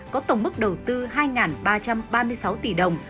có tổng mức đầu tư hai ba trăm ba mươi sáu tỷ đồng